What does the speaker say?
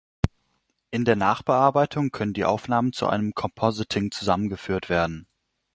In der Nachbearbeitung können die Aufnahmen zu einem Compositing zusammengeführt werden.